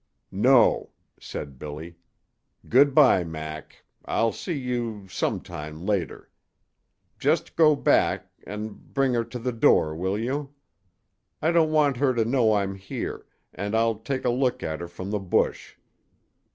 "No," said Billy. "Good by, Mac. I'll see you sometime later. Just go back an' bring her to the door, will you? I don't want her to know I'm here, an' I'll take a look at her from the bush.